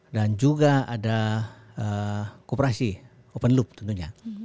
dan juga ada koperasi open loop tentunya